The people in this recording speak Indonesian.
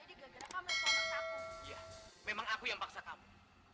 iya memang aku yang paksa kamu